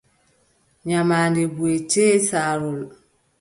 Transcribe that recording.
Nyamaande buʼe, sey caarol.